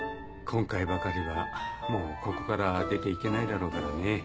今回ばかりはもうここから出て行けないだろうからね。